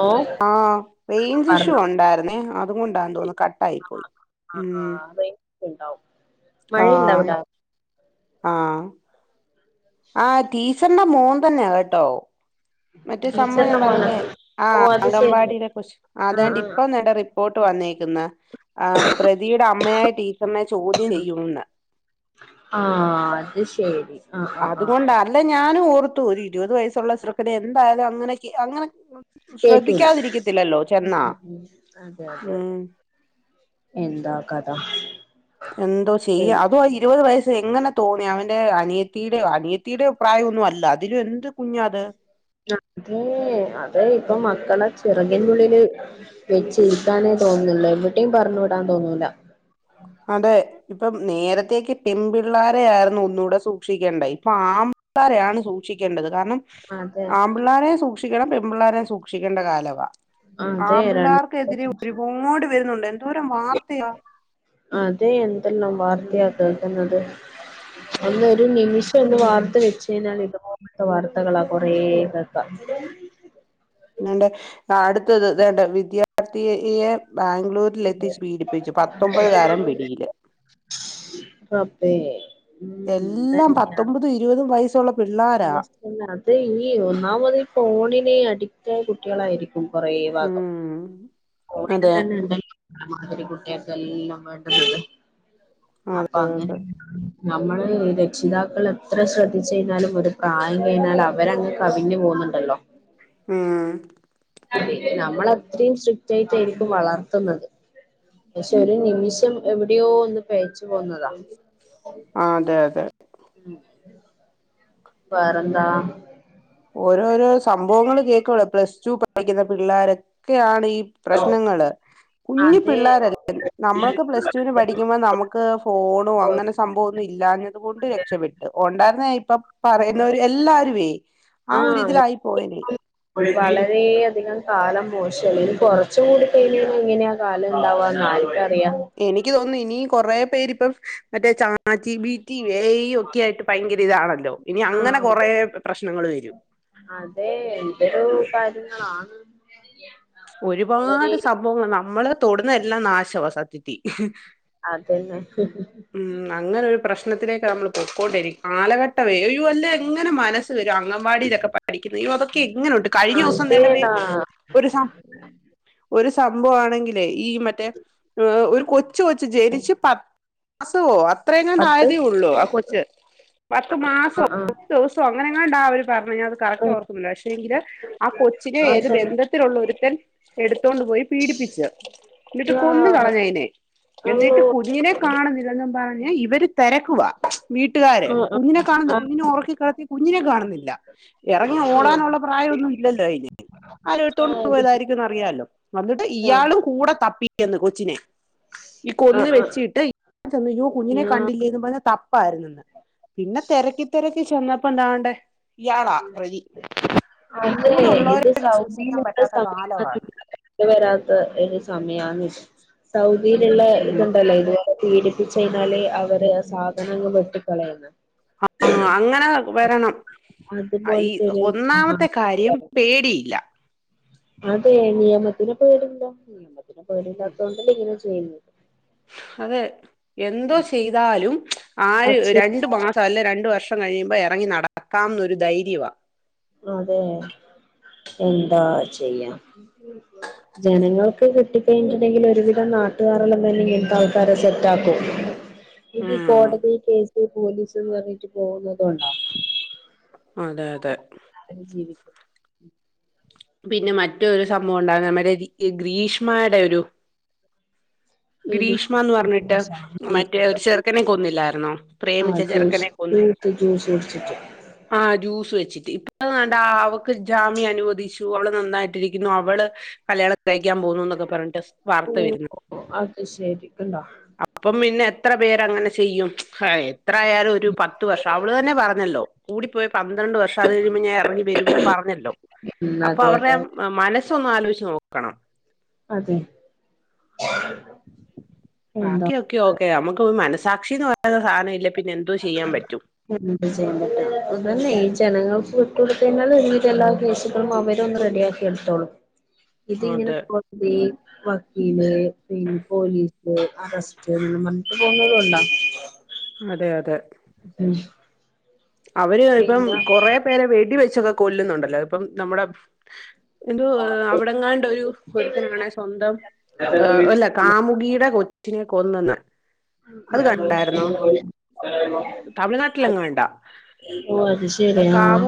ഓ ആഹ് range issue ഒണ്ടായിരുന്നേ അ അത് മുണ്ടാന്ന് തോന്നു ആ ആ ആ റൈഞ്ച്ണ്ടാവും ആഹ് മഴയ്ണ്ടാവ്ടാ ആഹ് ആഹ് ടീച്ച ഇന്ന മോൻ തന്നെയാ കെട്ടോ മറ്റേ സംഭവം ഞാൻ ടീച്ചറിന്റെ മോനാ പറഞ്ഞ്ല്ലേ ആഹ് ഓ അത് ശരി അംഗവാടിയിലെ കൊച്ച് ആ ആ അതാന്റ്പ്പൊ നേട റി വോട്ട് വന്നേക്ക്ന്ന് ആ പ്രതിയുടെ അമ്മയായ ടീച്ചറ്നെ ചോദ്യം ചെയ്യുമെന്ന് ആ അത് ശരി ആ ആ ആ അതുകൊണ്ടാ അല്ലേ ഞാനും ഓർ ത്തു ഒര് ഇരുപത് വയസുള്ള ചെർക്കനെ എന്തായാലും അങ്ങനെക്ക് അങ്ങനെ കേറ്റൂല ശ്രദ്ധിക്കാതിരിക്കത്തില്ലല്ലോ ഉം ചെന്നാ ഉം ഉം അതെയതെയതെ ഉം എന്താ കഥാ എന്തോ ചെയ്യാ അതുവാ ഇരുപത് വയസ്സെ എങ്ങനെ തോന്നി അവന്റെ അനിയത്തീയുടെയൊ അനിയത്തീയുടെ പ്രായമൊന്നും അല്ല അതിലും എന്ത് കുഞ്ഞ അത്- അതെ അതെ ഇപ്പൊ മക്കളെ ചിറകിന്നുള്ളില് വെച്ചിരിക്കാനേ തോന്നില്ല എവിടേം പറഞ്ഞ് വിടാൻ തോന്നൂല അതെ ഇപ്പം നേരത്തേക്കെ പെമ്പിള്ളാരെ ആയിർന്നു ഒന്നുടെ സൂക്ഷിക്കണ്ടേ ഇപ്പൊ ആമ്പിള്ളാരെയാണ് സൂക്ഷിക്കേണ്ടത് കാരണം അതെ ആമ്പിള്ളേരെ സൂക്ഷ- സൂക്ഷിക്കണം പെമ്പിള്ളാരേം സൂക്ഷിക്കണ്ട കാലവ- അതെ ര ആമ്പിള്ളേർക്കെതിരെ ഒരുപാട് വരുന്നുണ്ട് എന്തോരം വാർത്തയാ- അതെ എന്തെല്ലാം വാർത്തയാ കേക്കുന്നത്- അന്ന് ഒരു നിമിഷം ഒന്ന് ഉം വാർത്ത വെച്ച് കഴിഞ്ഞാൽ ഇപ്പ- വാർത്തകളാ കൊറേ കേക്ക- ണ്ട [unintelligible] അടുത്തത് ദാണ്ട വിദ്യാർത്ഥിയെ ബാംഗ്ലൂരിൽ എത്തിച്ച് പീഡിപ്പിച്ചു പത്തൊമ്പത് കാരൻ പിടിയില് റബ്ബേ ഉം എല്ലാം പത്തൊമ്പതും ഇരുപതും വയസ്സുള്ള- പിള്ളാരാ അതെ ഈ ഒന്നാമതിഫോണിനെ അടി- അടിറ്റായ കുട്ടികളായിരിക്കും കൊറേ ഭാഗം ഉം പോയിട്ട് അതെ തന്നെ ഉണ്ട- ആതിമാരി കുട്ടിയാക്കെല്ലാം വേണ്ടുന്നുണ്ട് അപ്പ അതെ അതെ അങ്ങനെ- നമ്മള് രക്ഷിതാക്കളെത്ര ശ്രദ്ധിച്ചയ്ഞ്ഞാലും- ഒരു പ്രായം കഴിഞ്ഞാലവരങ്ങ് കവിഞ്ഞു പോകുന്നുണ്ടല്ലോ ഉം അത നമ്മളത്രയും സ്ട്രിക്റ്റ് ആയിട്ടായിരിക്കും വളർത്തുന്നത് പക്ഷെ ഒരു നിമിഷം എവിടെയോ ഒന്ന് പെഴച്ചു പോവുന്നതാ ആ അതെ അതെ ഉം വേറന്താ? ഓരോരോ സംഭവങ്ങള് കേൾക്കുളേ പ്ലസ് ടു പഠിക്കുന്ന പിള്ളോരൊക്കെയാണ് പ്രശ്നങ്ങള് കുഞ്ഞു അതെ പിള്ളോരല്ല നമ്മളൊക്കെ പ്ലസ്ടുവിന് പഠിക്കുമ്പോ നമുക്ക് ഫോണോ അങ്ങനെ സംഭവ- ഇല്ലാഞ്ഞത് കൊണ്ട് രക്ഷപെട്ട് ഒണ്ടായിരുന്നേ ഇപ്പൊ പറയുന്നവര് എല്ലാരുമേ- ആ ആഹ് ഒരിതിലായി പോയി വളരെയധികം കാലം മോശല്ല ഇനി കൊറച്ചും കൂടി കഴിഞ്ഞാ എങ്ങനെയാ കാലംണ്ടാവാന്ന് ആർക്കറിയാ എനിക്ക് തോന്നുന്നു ഇനി കൊറേ പേരിപ്പം മറ്റേ ചാറ്റ്ജി ബീറ്റി- എ ഐ ഒക്കെ ആയിട്ട് ഭയങ്കര ഇതാണല്ലോ ഇനി അങ്ങനെ ആഹ് കൊറേ പ്രശ്നങ്ങള് വരും അതെ എന്തൊരു കാര്യങ്ങളാണ് [unintelligible] വളരെ ഒരുപാട് സംഭവങ്ങള് നമ്മളെ തൊടു എല്ലാം നാശമാ സത്യത്തി. അതന്നെ പ്രശ്നത്തിലേക്കാ നമ്മൾ പൊക്കോണ്ടിരി- കാലഘട്ടവേ അല്ലേ എങ്ങനെമനസ്സ് വരും അംഗവാടിയിലൊക്കെ പഠി പഠിക്കുന്നത്. ഉയ്യോ അതൊക്കെ എങ്ങനുണ്ട്? കഴിഞ്ഞ ദിവസം വേ അതേടാ ഒരു സം ഒരു സംഭവം ആണെങ്കിൽ ഈ മറ്റേ ഒരു കൊച്ച് കൊച്ച് ജനിച്ച് [unintelligible] വോ? അത്രയെങ്ങാണ്ട് പത്ത് ആയതേ ഒള്ളൂ ആ കൊച്ച്, പത്ത് മാസമോ ആഹ് പത്ത് ആഹ് ദെവസവോ അങ്ങനെങ്ങാണ്ടാ അവര് പറഞ്ഞേ, ഞാൻ അത് കറക്റ്റ് ഓർക്കുന്നില്ല, പക്ഷെ എങ്കില് ആ കൊച്ചിനെ ഏത് ബന്ധത്തിലുള്ള ഒരു ത്തെൻ എടു ത്തോണ്ടു പോയി പീഡിപ്പിച്ച്, എന്നിട്ട് കൊന്നു ആഹ് കളഞ്ഞതിനെ, എന്നിട്ട് കുഞ്ഞിനെ കാണുന്നില്ലന്നും പറഞ്ഞ് ഇവര് തെരക്കുവാ വീട്ടുകാര്, ആ കുഞ്ഞിനെ കാണുനില്ല ആ ആ കുഞ്ഞിനെ ഒറക്കിക്കെടത്തി കുഞ്ഞിനെ കാണുന്നില്ല, എറങ്ങി ഓടാനുള്ള പ്രായംഒന്നും ഇല്ലല്ലോ അതിന്, ആരും ആ എടുത്തോണ്ട് [unintelligible] ഇത് പോയതായിരിക്കൂന്ന് അറിയാലോ? അന്നിട്ട് ആ ഇയാളും കൂടെ തപ്പി. ന്ന് കൊച്ചിനെ ഈ ആ കൊന്നു ആ വെച്ചിട്ട് യ്യോ കുഞ്ഞിനെ ഞാ കണ്ടില്ലേന്ന് പറഞ്ഞ് തപ്പായിരുന്നെന്ന് പിന്നെ തെരക്കി തെര ചെന്നപ്പ ദാണ്ടെ ഇയാളാ പ്രതി. അതെ കൂടെ ഉള്ളവരെ ഇത് വിശ്വസിക്കാൻ സൗദീല് പറ്റാത്ത കാലമാണ് [unintelligible] വെരാത്ത [unintelligible] സമയാന്നിത് സൗ ദീല്ള്ള ഉം ഇതുണ്ടല്ലോ ഇതുവരെ പീഡിപ്പിച്ച് കഴിഞ്ഞാല് അവര് സാധനങ്ങൾ വെട്ടിക്കളയണം. ആ അങ്ങനെ വരണം. ഈ അതുപോലത്തെ ഒരു സംഭവം ഒന്നാമത്തെ കാര്യം വരുന്നത്. പേടിയില്ല. അതെ നിയമത്തിനെ പേടിയില്ല. പിന്നെ പേടിയില്ലാത്ത കൊണ്ടല്ലേ ഇങ്ങനെ ചെ ചെയ്തു. അതെ എന്തോ ചെയ്താലും ആര്? രണ്ടു പക്ഷെ മാസം അല്ലെ രണ്ടു വർഷം കഴിയുമ്പോ ഇറങ്ങി നടക്കാന്നൊരു ധൈര്യവാ. അതെ എന്താ ചെയ്യാം ജനങ്ങൾക്ക് കിട്ട കഴിഞ്ഞട്ടുണ്ടെങ്കിൽ ഒരുവിധം നാട്ടുകാാരല്ലല്ലെത്തെ ആൾക്കാരെ സെറ്റ ആക്കും ഇ ഉം കോടതി കേസ് ഇപ്പോ പോലീസ് എന്ന് പറഞ്ഞിട്ട് പോകുന്നത് അതെ അതെ അവര് ജീവിക്കും പിന്നെ മറ്റൊരു സംഭവം ഉണ്ടകും നമ്മുടെ ഗ്രീഷ്മയുടെ ഒരു ഏത് ഗ്രീഷ്മന്ന് പറഞ്ഞിട്ട് മറ്റേ ഒരു ചെറുക്കനെ കൊന്നില്ലായിാരുന്നോ ആ പ്രേമിച്ച ജ്യൂസ് ചെറുക്കനെ കൊന്ന് ഫ്രൂട്ട് ജ്യൂസ് കുടിച്ചിട്ട് ആഹ് ജ്യൂസ് വെച്ചിട്ട് ന്നാണ്ടാ വ ജാമ്യം അനുവദിച്ചു അവള് നന്നായിട്ടിരിക്കുന്നു അവള് കല്യാണം കഴിക്കാൻ പോന്നുന്നൊക്കെ പറഞ്ഞിട്ട് ഓ വാർത്ത വരുന്നു അത് ശരി കണ്ടോ അപ്പം പിന്നെ എത്ര പേരങ്ങനെ ചെയ്യും എത്രയാലും ഒരു പത്ത് വർഷം അവള് തന്നെ പറഞ്ഞല്ലോ കൂടിപ്പോയ പന്ത്രണ്ട് വർഷം അത് കഴിയുമ്പോൾ ഞാൻ ഇറങ്ങി വരുന്ന് പറഞ്ഞിട്ടും ഉം അപ്പൊ അതെ അവരുടെ അതെ മനസ്സൊന്നും ആലോചിച്ച് നോക്കോ കണം അതെ എന്താ ബാക്കി ഓക്കെ ഓക്കെ നമ്മുക്ക് മനസ് സാക്ഷി എന്ന് പറയുന്ന സാധനില്ല എന്ത് ചെയ്യണ്ടട്ട അതന്നെ ഈ ജനങ്ങൾ കൊടുത്താൽ എല്ലാ കേസുകളും അവരൊന്ന് റെഡിയാക്കി എടുത്തോളൂം ഇത് ഇങ്ങനെ അതെ [unintelligible] [unintelligible] പിന്നെ പോലീസ്, അറസ്റ്റ്, ന്നും പർഞ് [unintelligible] പോവുന്നത് കൊണ്ടാ. അതെയതെ. ഉം അവര് ഇപ്പം പിന്നെ കൊറെ പേരെ വേടി വെച്ചക്കൊ കൊല്ലുന്നുണ്ടല്ലോ ഇപ്പം നമ്മുടെ എന്തോ അവിടെങ്ങാണ്ട് ഒരു ഒരുത്തനാണെ സ്വന്തം ആഹ് അല്ല കാമുകിയുടെ കൊച്ചിനെ കൊന്നന്ന് അത് കണ്ടായിര്ന്നോ? തമിഴ്നാട്ടിലെങ്ങാണ്ടാ.. ഓ അത് ശരി ആഹ്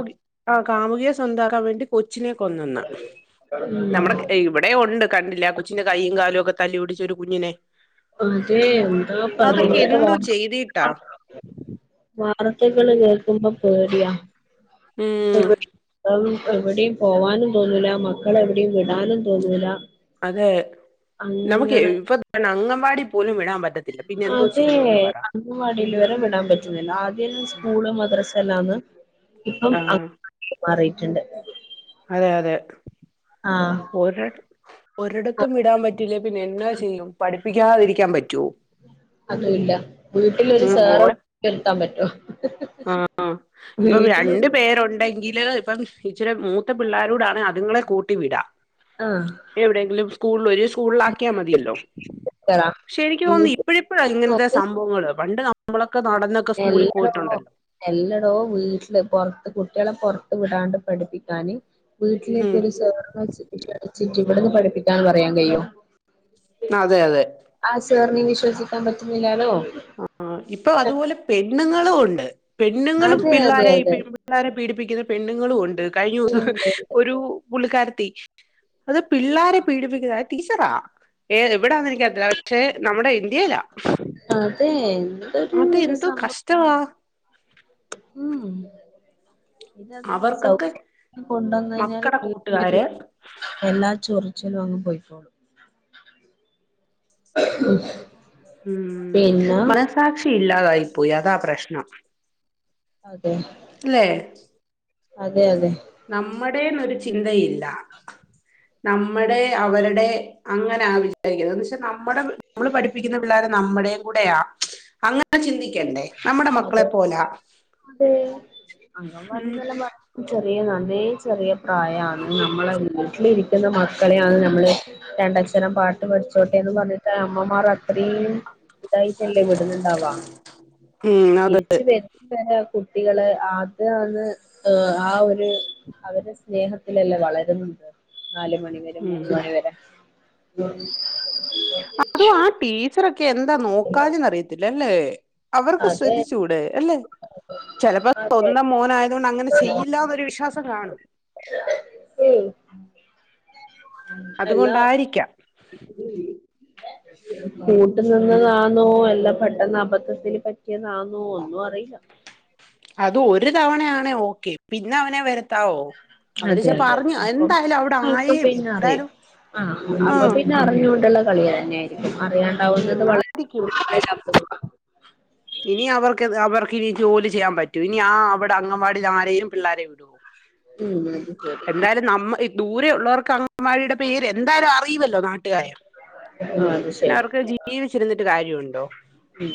ക്കാൻ വേണ്ടി കൊ ച്ചിനെ കൊന്നെന്ന്. നമ്മുടെ ഉം ഇവിടെയുണ്ട് കണ്ടില്ല കൊച്ചിൻ്റെ കൈയും കാലൊക്കെ തല്ലി ഒടിച്ച ഒരു കുഞ്ഞിനെ അതെ എന്താ അതൊക്കെ പറയാ എന്തോ ചെയ്തിട്ടാ [unintelligible] വാ ർത്തകള് കേൾക്കുമ്പോ പേടിയാ. ഉം പേടി പ്പം എബഡിം പോവാനും തോന്നൂല്ല മക്കളെ എവിടെയും വിടാനും തോന്നൂല്ല. അതെ നമുക്കേ ഇപ്പൊ [unintelligible] ങ്കവാടി പോലും വിടാം അതേ അംഗൻവാടില് വരെ വിടാൻ പറ്റുന്നില്ല ആദ്യല്ലാം സ്കൂള് മദ്രസ എല്ലാന്ന് ഇപ്പം ആ അംഗൻവാടീൽ [unintelligible] [unintelligible] അതെ അതെ ഒരെട് ഒരെടത്തും വിടാൻ പറ്റില്ലേ പിന്നെ എന്നാ ചെയ്യും പഠി പ്പിക്കാതിരിക്കാൻ പ അതുവല്ല വീട്ടിലൊരു ഉം സേർ [unintelligible] ഓൻ നിർത്താൻ പറ്റോ ആ ഇപ്പം രണ്ട് വീട്ടിലൊരു പേരുണ്ടെങ്കില് ഇപ്പം ഇച്ചിരി മൂത്ത പിള്ളാരൂടാണെ അതുങ്ങളെ കൂട്ടി വിടാം. ആഹ് എവിടെ എങ്കിലും സ്കൂളിലൊ ഇനി സ്കൂളിൽ ആക്കിയാൽ മതിയല്ലോ. പക്ഷെ എനിക്ക് തോന്നുന്നു നോക്ക് ഇപ്പഴിപ്പഴാ ഇങ്ങനത്തെ സംഭവങ്ങള് പണ്ട് നമ്മളൊ എല്ലടോ എല്ലടോ വീട്ടില് പൊറത്ത് കു ട്ടികളെ പൊറത്തു വിടാണ്ട് പഠിപ്പിക്കാന് വീട്ടിലേക്ക് ഉം ഒരു സാനം [unintelligible] ചിറ്റി ഇവിട്ന്ന് പഠിപ്പിക്കാൻ പറയാൻ കഴിയോ അതെ അതെ രസിക്കാൻ പറ്റുന്നില്ലാലോ ആ ഇപ്പൊ അതുപോലും പെണ്ണുങ്ങളു ഉണ്ട്. പെണ്ണുങ്ങളും അതെ അതെ പിള്ളോരെ ഈ അതെ പെൺപിള്ളേരേ പീഡിപ്പിക്കുന്ന പെണ്ണുങ്ങളു ഉണ്ട്. കഴിഞ്ഞൊവസം ഹ് ഉണ്ട് ഉണ്ട് ഹ് ഒരു പു ള്ളിക്കാരൻ [unintelligible] അത് പിള്ളാരെ പീഡിപ്പിക്കുന്ന അത് ടീച്ചറാ ഏ എവിടാന്ന് എനിക്ക [unintelligible] ക്ഷെ നമ്മുടെ ഇന്ത്യയിലാ അതെ എന്തൊരു അത് എന്തോ സംഭവം കഷ്ടവാ [unintelligible] മ് ഇത് അത് ന്നെ അവർക്കൊക്കെ [unintelligible] കൊണ്ടുവന്ന് ഴിഞ്ഞാല് മക്കടെ കൂട്ടുകാര് [unintelligible] എല്ലാ ചൊറിച്ചിലും അങ്ങ് പൊയിക്കോളും. ഉമ് പിന്നെ മനസാക്ഷി ഇല്ലാതായി പോയി അതാ പ്രശ്നം. അതെ ല്ലെ അതെ അതെ നമ്മുടെന്നൊരു ചിന്തയില്ല നമ്മടെ അവരടെ അങ്ങനാ വിചാരിക്കുന്നത് വച്ചാ നമ്മടെ നമ്മള് പഠിപ്പിക്കുന്ന പിള്ളേരെ നമ്മടെം കൂടെയാ അങ്ങനെ ചിന്തിക്ക ക്കെണ്ടെ നമ്മടെ മക്കളെ അതെ പോലാ അതെ ഉം. അംഗൻവാടിന്നെല്ലാം പറഞ്ഞ ചെറിയ നന്നേ ചെറിയ പ്രായാണ് നമ്മളെ വീട്ടിലിരി എന്ന മക്കളെയാണ് നമ്മള് രണ്ടക്ഷരം പാട്ട് പഠിച്ചോട്ടേന്ന് പറഞ്ഞിട്ടാ അമ്മമാർ അത്രേം ഇതായിട്ടല്ലേ വിടുന്നുണ്ടാവാ ഉം അതെ തിരിച്ചു വരുന്നേരം കുട്ടികള് ആദ്യം അത് ആ ഒരു ത് അവരെ സ്നേഹം ഇല്ലെ ല്ല വളരുന്നുണ്ട്. നാല് മണിവരെ ഉം മൂന്ന് മണിവരെ അതും ആ ടീച്ചർ എന്താ നോക്കാഞ്ഞെന്നറിയത്തില്ല അല്ലെ? അവർക്ക് അതെ ശ്രദ്ധിച്ചൂടെ അല്ലെ ചെലപ്പോ അതെ സ്വന്തം മോനായതോണ്ട് അങ്ങനെ ചെയ്യില്ലന്നൊരു വിശ്വാസം കാണും. എല്ലാ അതുകൊണ്ടായിരിക്കാം ഉം കൂട്ട് നിന്നതാന്നോ അല്ല പെട്ടെന്നബദ്ധത്തില് പറ്റിയതാന്നോ ഒന്നും അറിയില്ല ണെ ഓക്കെ പിന്നെ അവനെ വെര അതെ യതെ യതെ അപ്പം എന്തായാലും അവിടെ അപ്പ ആയേം പിന്നെ അറിയും എന്തായാലും ആഹ് ആ അപ്പ പിന്നെ അറിഞ്ഞൊണ്ടുള്ള കളിയെന്നെയിരി അറിയാണ്ടാവുന്നത് ഉം വളരെ ആയിരിക്കും കൂടുതലായി [unintelligible] ഇനി അവർക്ക് ത് അവർക്കിനി ജോലി ചെയ്യാൻ പറ്റോ ഇനി ആ അവടെ അംഗൻവാടിയിലാരെലും പിള്ളാരെ വിടോ ഉം [unintelligible] ദൂരെ ഉള്ളവർക്ക് അംഗവാടിയുടെ പേര് എന്തായാലും അറിവ ല്ലോ നാട്ട് [unintelligible] ആഹ് അത് പിന്നെ ശരി അവർക്ക് ജീവിച്ചിരുന്നിട്ട് കാര്യവുണ്ടോ ഉം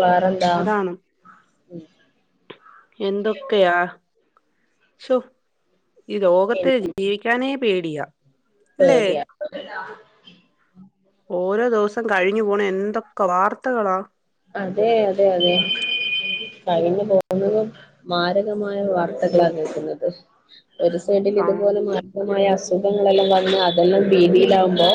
വേറെന്താ അതാണ്. ഉം എന്തൊക്കെയാ? ശൊ ഈ ലോകത്തേ പിന്നെ ജീവിക്കാനേ പേടിയാ ല്ലേ. പേടിയാ [unintelligible] കഴിഞ്ഞ് പോണെ എന്തൊക് അതെ അതെ അതെ കഴിഞ്ഞു പോന്നത് മാരകമായ വാർത്തകളാണ് കേക്കുന്നത്. ഒരു സൈഡില് ആ ഇതുപോലെ മാ മായ അസുഖങ്ങളെല്ലാം വന്ന് അതെല്ലാം ഭീതിയിലാവുമ്പോ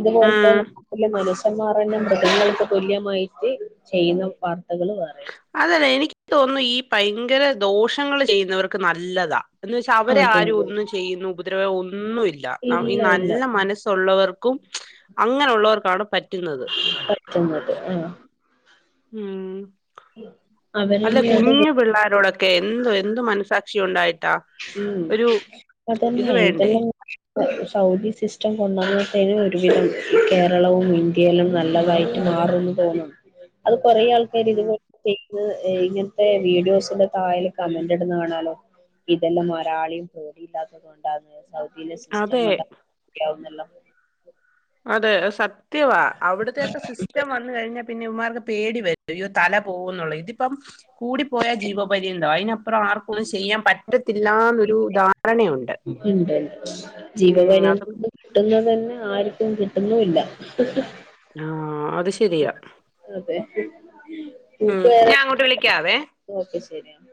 ഇതുപോലത്തെ ഉം ന [unintelligible] മനുഷ്യ ന്ന് പറയുന്ന മൃഗങ്ങൾക്ക് തുല്യമായിട്ട് ചെയ്യുന്ന വാർത്തകള് വേറെയും അതല്ലെ എനിക്ക് തോന്നുന്നു ഈ ഭയങ്കര ദോഷങ്ങള് ചെയ്യുന്നവർക്ക് നല്ലതാ എന്ന് വെച്ചാ അവരെ അതെ ആരും അതെ ഒന്നും ചെയ്യുന്നും ഉപദ്ര [inaudible] ഒന്നും ഇല്ല ഈ നല്ല മനസ്സുള്ളവർ ക്കും അങ്ങനെയുള്ളോർക്കാണ് പറ്റ് പറ്റുന്നത് ആ ഉം അല്ല അവരെന്നെ അത് കുഞ്ഞു പിള്ളോരോടൊക് എന്തോ എന്ത് മനസ്സാ ഷിയുണ്ടായി ഉം ഇത് അതന്നെ വേണ്ടേ ഇതെല്ലാം സൗദി സിസ്റ്റം കൊണ്ടാമ്പത്തേന് ഒരുവിധം കേരളവും ഇന്ത്യയിലും നല്ലതായിട്ട് മാറുന്ന് തോന്നു അത് കുറെ ആൾക്കാര് ഉം ഇത്പോലെ ചെയ്യു ഇങ്ങനത്തെ വീഡിയോസിന്റെ തായേല് കമന്റ് ഇടുന്ന് കാണാലോ ഇതെല്ലാം ഒരാളെയും പേടിയില്ലാത്തത് കൊണ്ടാണ് സൗദിയിലെ സിസ്റ്റം അതെ കൊണ്ട്ന്നാ ല്ലോ അതെ സത് ത്യവാ അവിടത്തെൊക്കെ സിസ്റ്റം വന്നു കഴിഞ്ഞാൽ പിന്നെ ഇവന്മാർക്ക് പേടി വരുണ്ട് തല പോകും എന്നുള്ളത് ഇതിപ്പം കൂടിപ്പോയ ജീവപര്യന്തം അയി പ്രൊ ആർക്കുവൊ ചെയ്യാൻ പറ്റത്തില്ലന്നൊരു ധാരണയൊണ്ട് ഇണ്ട് ഉം അതും ആര്ക്കും കിട്ടുന്നുവില്ല ആഹ് അത് ശെരിയാ അതെ ഉം ഞാ അങ്ങോട്ട് വിളിക്കാവേ ശെരി എന്നാ